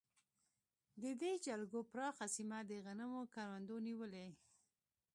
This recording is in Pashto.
د دې جلګو پراخه سیمې د غنمو کروندو نیولې.